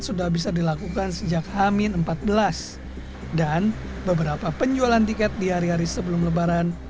sudah bisa dilakukan sejak hamin empat belas dan beberapa penjualan tiket di hari hari sebelum lebaran